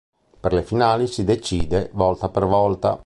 Per le finali si decide volta per volta.